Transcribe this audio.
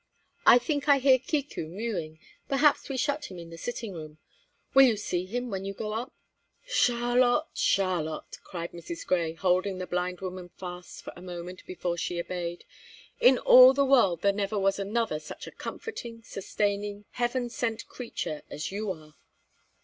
I think I hear Kiku mewing; perhaps we shut him in the sitting room. Will you see when you go up?" "Charlotte, Charlotte," cried Mrs. Grey, holding the blind woman fast for a moment before she obeyed. "In all the world there never was another such a comforting, sustaining, heaven sent creature as you are!"